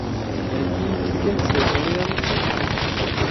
Йәки икенсе вариант.